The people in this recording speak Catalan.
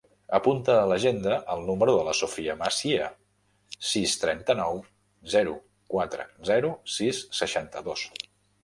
Apunta a l'agenda el número de la Sofía Macia: sis, trenta-nou, zero, quatre, zero, sis, seixanta-dos.